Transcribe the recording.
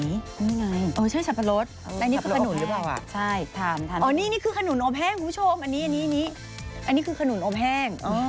นี่ไงอ๋อใช่สับปะรดและนี่คือขนุนหรือเปล่าใช่อ๋อนี่นี่คือขนุนอบแห้งคุณผู้ชมอันนี้อันนี้คือขนุนอบแห้ง